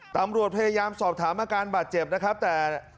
ตำรวจพยายามสอบถามอาการบาดเจ็บนะครับแต่